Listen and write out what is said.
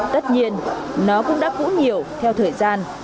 tất nhiên nó cũng đã cũ nhiều theo thời gian